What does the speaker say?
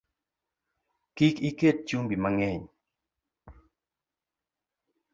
Kik iket chumbi mang’eny